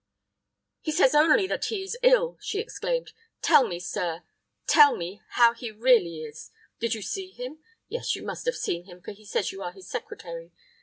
"He says only that he is ill," she exclaimed. "Tell me, sir tell me how he really is. Did you see him? Yes, you must have seen him, for he says you are his secretary.